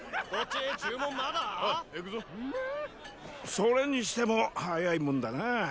それにしても早いもんだなー。